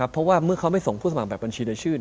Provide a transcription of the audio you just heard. เพราะว่าเมื่อเขาไม่ส่งผู้สมัครแบบบัญชีในชื่อ